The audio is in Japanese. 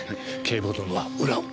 警部補殿は裏を。